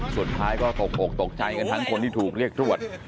สุดท้ายก็ตกอกตกใจกันทั้งคนที่ถูกเรียกตรวจ